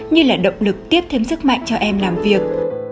như là động lực tiếp thêm sức mạnh cho em làm việc